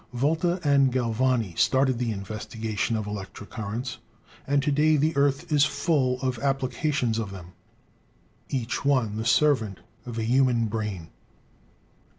Volta and Galvani started the investigation of electric currents, and to day the earth is full of applications of them, each one the servant of a human brain.